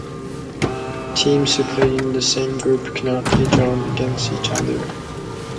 Teams who played in the same group cannot be drawn against each other.